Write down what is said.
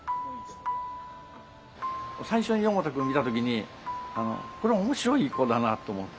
最初に四方田くん見た時にこれは面白い子だなと思って。